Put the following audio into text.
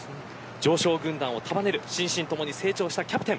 常勝軍団を束ねる心身ともに成長したキャプテン